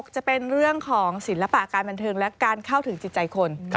จะเป็นเรื่องของศิลปะการบันเทิงและการเข้าถึงจิตใจคน